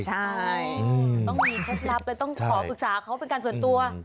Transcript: ใช่ต้องมีเคล็ดลับเลยต้องขอปรึกษาเขาเป็นการส่วนตัว